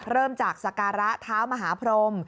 เริ่มจากสการะเท้ามหาพรม